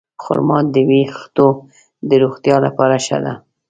خرما د ویښتو د روغتیا لپاره ښه ده.